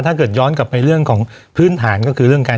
วันนี้แม่ช่วยเงินมากกว่า